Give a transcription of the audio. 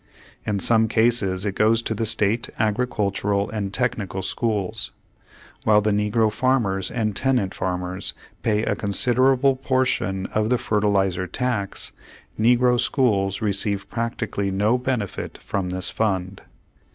In some cases it goes to the state agricultural and technical schools. While the negro farmers and tenant farmers pay a considerable portion of the fer tilizer tax, negro schools receive practically no benefit from this fund.